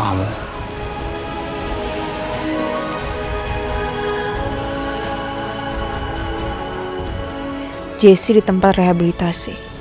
apa yangviously mengabaikan kamu